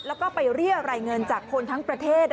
แล้วก็ไปเรียรายเงินจากคนทั้งประเทศ